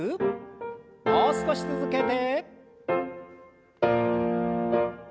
もう少し続けて。